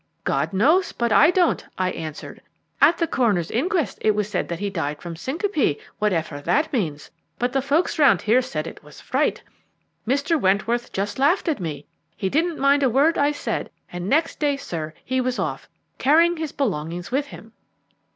"'God knows, but I don't,' I answered. 'At the coroner's inquest it was said that he died from syncope, whatever that means, but the folks round here said it was fright.' Mr. Wentworth just laughed at me. He didn't mind a word I said, and the next day, sir, he was off, carrying his belongings with him."